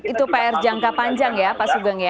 itu pr jangka panjang ya pak sugeng ya